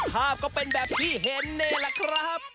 ภาพก็เป็นแบบที่เห็นนี่แหละครับ